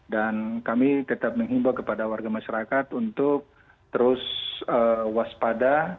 dan kami tetap menghimbau kepada warga masyarakat untuk terus waspada